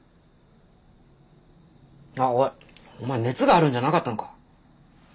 あっおいお前熱があるんじゃなかったのか？